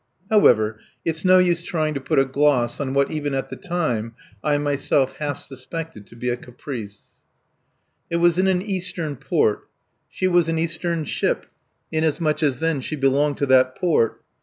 ... However, it's no use trying to put a gloss on what even at the time I myself half suspected to be a caprice. It was in an Eastern port. She was an Eastern ship, inasmuch as then she belonged to that port.